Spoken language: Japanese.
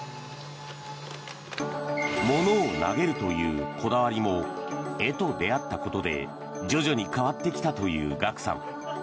物を投げるというこだわりも絵と出会ったことで徐々に変わってきたというＧＡＫＵさん。